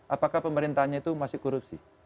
apakah pemerintahnya itu masih korupsi